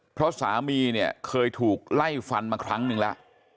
เพราะสามีเนี่ยเคยถูกไล่ฟันมาครั้งหนึ่งแล้ว